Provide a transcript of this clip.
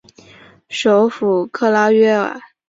首府克拉约瓦。